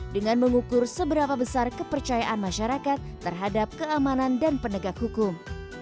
dengan mengukur seberapa besar kepercayaan masyarakat terhadap keamanan dan penegak hukum